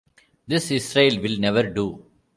This Israel will never do.